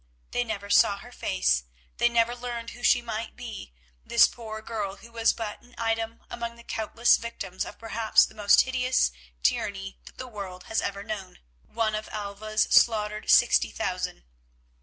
They never saw her face, they never learned who she might be, this poor girl who was but an item among the countless victims of perhaps the most hideous tyranny that the world has ever known—one of Alva's slaughtered sixty thousand.